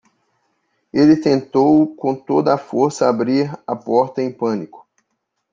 Ele tentou com toda a força abrir a porta em pânico.